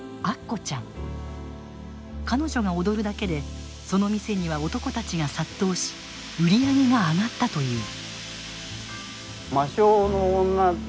彼女が踊るだけでその店には男たちが殺到し売り上げが上がったという。